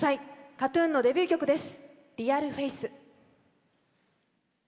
ＫＡＴ‐ＴＵＮのデビュー曲です。